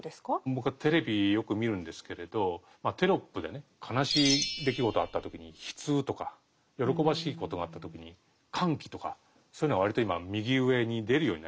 僕はテレビよく見るんですけれどテロップでね悲しい出来事あった時に「悲痛」とか喜ばしいことがあった時に「歓喜」とかそういうのが割と今右上に出るようになりましたよね。